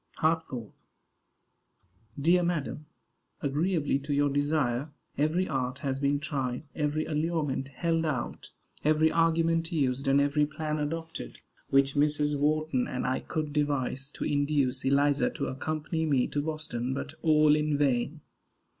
HARTFORD. Dear madam: Agreeably to your desire every art has been tried, every allurement held out, every argument used, and every plan adopted, which Mrs. Wharton and I could devise to induce Eliza to accompany me to Boston; but all in vain.